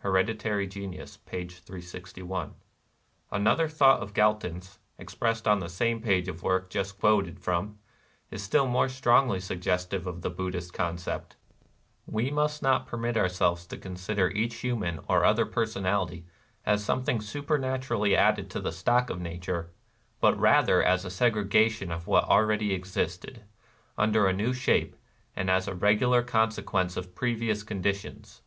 (Hereditary Genius, p. 361.) Another thought of Gal ton's, expressed on the same page of the work just quoted from, is still more strongly suggestive of the Buddhist concept :—" We must not permit oxirselves to consider each human or other personality as something supernatu rally added to the stock of nature, but rather as a segrega tion of what already existed, under a new shape, and as a regular consequence of previous conditions.